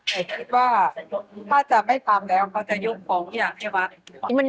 แต่คิดว่าถ้าจะไม่ตามแล้วเขาจะยุ่งปลงอย่างนี้บ้าง